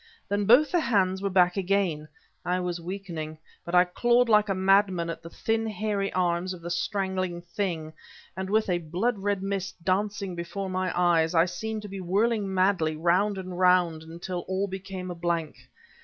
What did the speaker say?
Then both the hands were back again; I was weakening; but I clawed like a madman at the thin, hairy arms of the strangling thing, and with a blood red mist dancing before my eyes, I seemed to be whirling madly round and round until all became a blank.